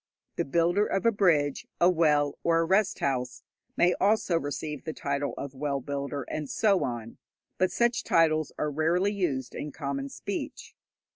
The builder of a bridge, a well, or a rest house may also receive the title of 'well builder,' and so on, but such titles are rarely used in common speech.